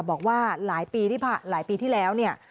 บอกว่าหลายปีที่แล้วเนี่ย